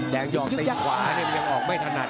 แดงหยอกตีนขวายังออกไม่ถนัด